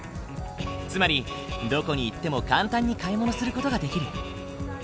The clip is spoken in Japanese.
つまりどこに行っても簡単に買い物する事ができる。